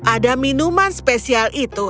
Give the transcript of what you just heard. ada minuman spesial itu